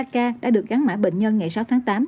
ba ca đã được gắn mã bệnh nhân ngày sáu tháng tám